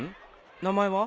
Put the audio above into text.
名前は？